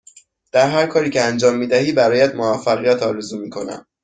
در هرکاری که انجام می دهی برایت موفقیت آرزو می کنم.